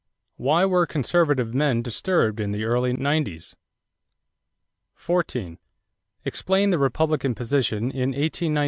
Why were conservative men disturbed in the early nineties? 14. Explain the Republican position in 1896. 15.